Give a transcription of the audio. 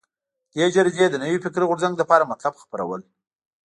دې جریدې د نوي فکري غورځنګ لپاره مطالب خپرول.